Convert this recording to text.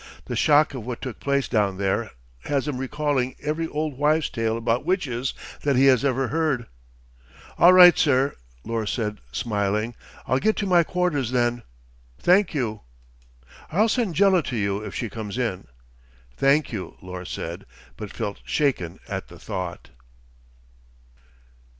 The shock of what took place down there has him recalling every old wives' tale about witches that he has ever heard." "All right, sir," Lors said smiling. "I'll get to my quarters, then. Thank you." "I'll send Jela to you, if she comes in." "Thank you," Lors said, but felt shaken at the thought.